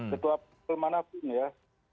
ketua partol manapun ya